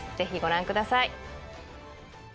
ぜひご覧ください。